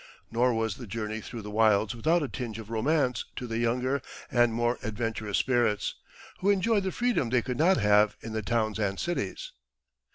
Nor was the journey through the wilds without a tinge of romance to the younger and more adventurous spirits, who enjoyed the freedom they could not have in the towns and cities.